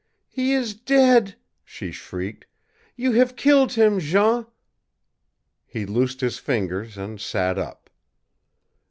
"He is dead!" she shrieked. "You have killed him, Jean!" He loosed his fingers and sat up.